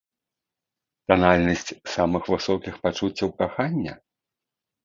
Танальнасць самых высокіх пачуццяў кахання?